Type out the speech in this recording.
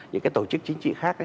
những cái tổ chức chính trị khác